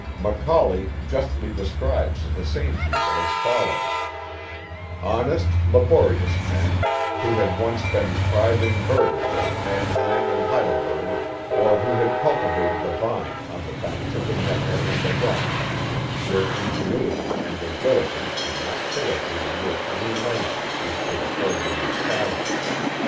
Macaulay justly describes the same people as follows: 77 78 The Mohawk Valley '* Honest, laborious men, who had once been thriving bur gers of Manheim and Heidelberg, or who had cultivated the vine on the banks of the Neckar and the Rhine, their in genuity and their diligence could not fail to enrich any land which should afford them an asylum.